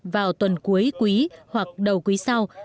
vào tuần cuối quý hoặc đầu quý sau